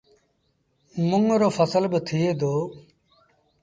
منڱ رو ڦسل با ٿئي دو